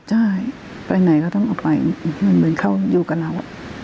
ใช่ไปไหนก็ต้องเอาไปมันเหมือนเขาอยู่กับเรา